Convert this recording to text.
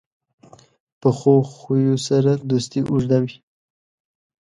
پخو خویو سره دوستي اوږده وي